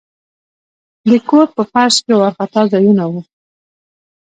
د کور په فرش کې وارخطا ځایونه وو.